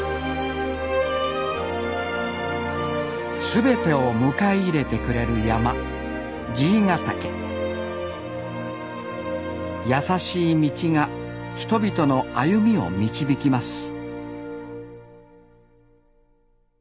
全てを迎え入れてくれる山爺ヶ岳やさしい道が人々の歩みを導きます